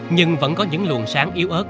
nhưng vẫn có những luồng sáng yếu ớt